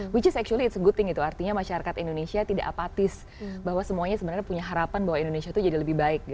which is actually it's a good thing gitu artinya masyarakat indonesia tidak apatis bahwa semuanya sebenarnya punya harapan bahwa indonesia itu jadi lebih baik gitu